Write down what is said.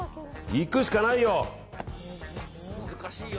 いくしかないよ！